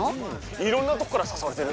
いろんなとこからさそわれてる。